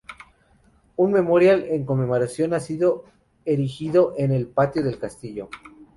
Un memorial en conmemoración ha sido erigido en el patio del castillo.